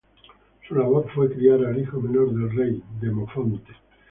Su labor fue criar al hijo menor del rey, Demofonte.